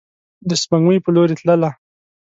د سپوږمۍ په لوري تلله